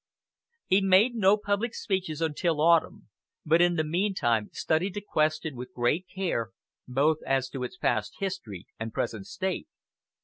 He made no public speeches until autumn, but in the meantime studied the question with great care, both as to its past history and present state.